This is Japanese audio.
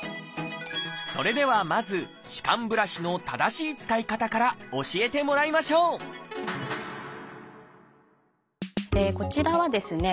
それではまず歯間ブラシの正しい使い方から教えてもらいましょうこちらはですね